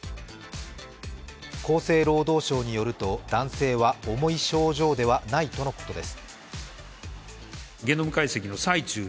厚生労働省によると、男性は重い症状ではないとのことです。